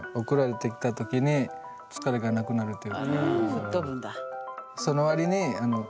ふっ飛ぶんだ。